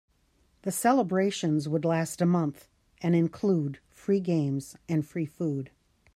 The celebrations would last a month and include free games and free food.